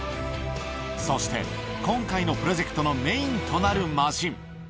そして今回のプロジェクトのメインとなるマシン。